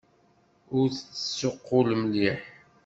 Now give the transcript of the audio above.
Ur d-tessuqqul mliḥ.